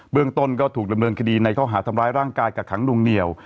เบื้องต้นก็ถูกระเบืองคดีในข้อหาทำร้ายร่างกายกับขังดูงเหนี่ยว